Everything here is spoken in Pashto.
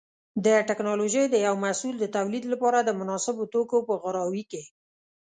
د ټېکنالوجۍ د یو محصول د تولید لپاره د مناسبو توکو په غوراوي کې.